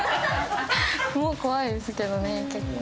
もう怖いですけどね結構。